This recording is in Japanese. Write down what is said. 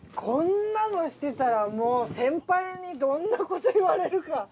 こんなのしてたらもう先輩にどんなこと言われるか。